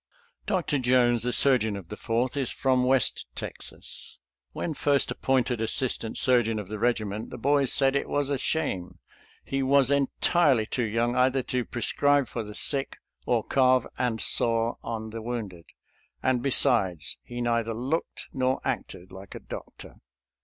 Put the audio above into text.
Dr. Jones, the surgeon of the Fourth, is from west Texas. When first appointed assistant sur geon of the regiment the boys said it was a shame — he was entirely too young either to pre scribe for the sick, or carve and saw on the wounded; and, besides, he neither looked nor acted like a doctor.